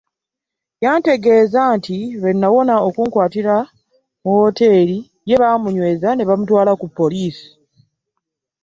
Yantegeeza nti lwe nawona okunkwatira mu wooteeri, ye baamunyweza ne bamutwala ku poliisi.